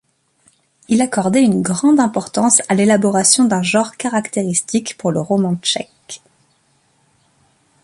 Il accordait une grande importance à l’élaboration d'un genre caractéristique pour le roman tchèque.